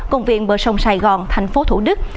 công viên bờ sông sài gòn thành phố thủ đức